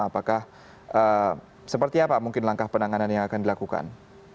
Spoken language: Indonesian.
apakah seperti apa mungkin langkah penanganan yang akan dilakukan